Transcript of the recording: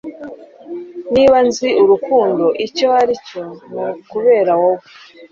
Niba nzi urukundo icyo ari cyo ni ukubera wowe